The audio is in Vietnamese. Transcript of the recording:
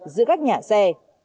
giữa các nhà xe